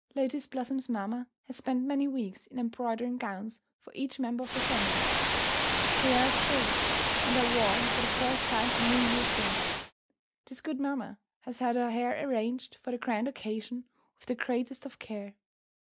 Lotus Blossom's mamma has spent many weeks in embroidering gowns for each member of the family. They are of silk, and are worn for the first time on New Year's day. This good mamma has had her hair arranged for the grand occasion with the greatest of care.